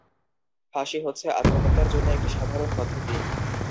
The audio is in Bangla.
ফাঁসি হচ্ছে আত্মহত্যার জন্য একটি সাধারণ পদ্ধতি।